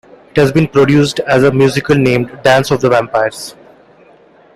It has been produced as a musical named "Dance of the Vampires".